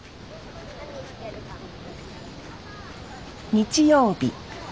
日曜日。